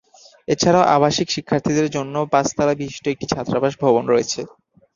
এছাড়াও আবাসিক শিক্ষার্থীদের জন্য পাঁচতলা বিশিষ্ট একটি ছাত্রাবাস ভবন রয়েছে।